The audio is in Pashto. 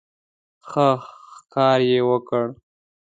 ښه ښکار یې وکړ.